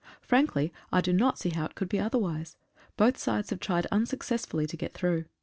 Frankly, I do not see how it could be otherwise. Both sides have tried unsuccessfully to get through.